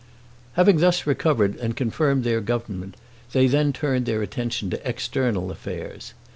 Having thus recovered and confirmed their government, they then turned their attention to external affairs.